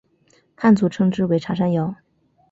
汉族称之为茶山瑶。